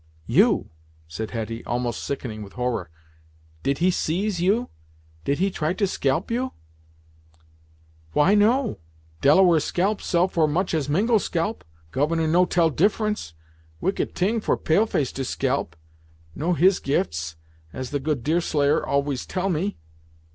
"You!" said Hetty, almost sickening with horror "Did he seize you did he try to scalp you?" "Why no? Delaware scalp sell for much as Mingo scalp. Governor no tell difference. Wicked t'ing for pale face to scalp. No his gifts, as the good Deerslayer always tell me."